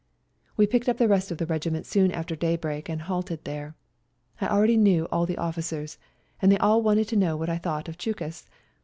We picked up the rest of the regiment soon after daybreak and halted there. I already knew nearly all the officers, and they all wanted to know^ what I thought of Chukus.